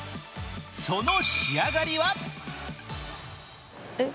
その仕上がりは？